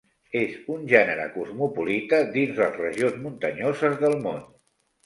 És un gènere cosmopolita dins les regions muntanyoses del món.